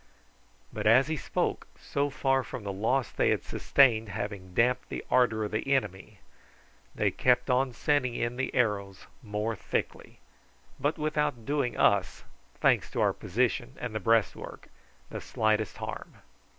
But as he spoke, so far from the loss they had sustained having damped the ardour of the enemy, they kept on sending in the arrows more thickly, but without doing us thanks to our position and the breastwork the slightest harm.